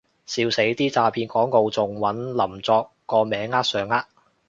笑死，啲詐騙廣告仲搵林作個名呃上呃